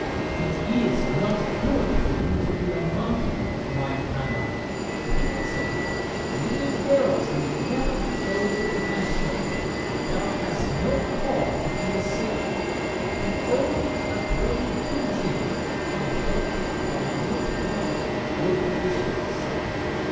"It iss not goodt for you to be a monkey, mine Anna," he would say. "Little girls need nefer to go to the masthead. Thou hast no call to be a sailor. Be only a brave kindchen, and help our goodt mother wit' the dishes."